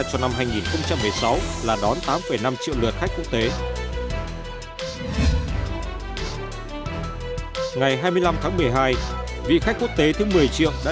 cho năm hai nghìn một mươi sáu là đón tám năm triệu lượt khách quốc tế ngày hai mươi năm tháng một mươi hai vị khách quốc tế thứ một mươi triệu đã